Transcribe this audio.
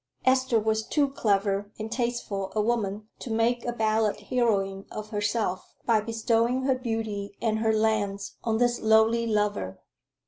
Esther was too clever and tasteful a woman to make a ballad heroine of herself, by bestowing her beauty and her lands on this lowly lover.